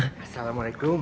pak ustadz assalamualaikum